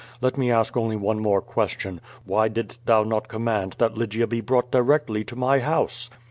Let me ask only one more question: Why didst thou not command that Lygia be brought directly to my house?"